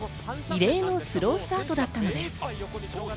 異例のスロースタートだったのです。